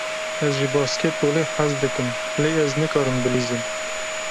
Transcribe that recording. Ez ji basketbolê hez dikim, lê ez nikarim bilîzim.